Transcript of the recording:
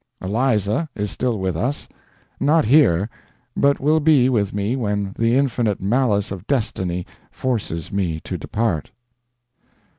....... "Eliza is still with us not here! but will be with me when the infinite malice of destiny forces me to depart."